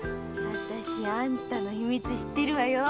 あんたの秘密知ってるわよ。